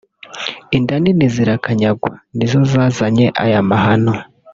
inda nini zirakanyagwa ni zo zazanye aya mahano